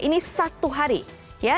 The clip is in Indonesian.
ini satu hari ya